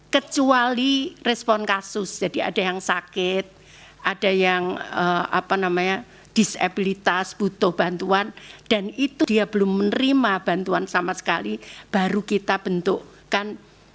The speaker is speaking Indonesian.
kecuali respon kasus jadi ada yang sakit ada yang apa namanya disabilitas butuh bantuan dan itu dia belum menerima bantuan sama sekali baru kita bentukkan